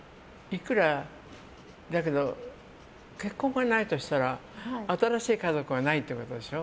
結婚がないとしたら新しい家族がないってことでしょ。